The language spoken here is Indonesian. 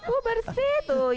oh bersih tuh